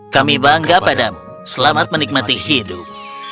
kami bangga padamu selamat menikmati hidup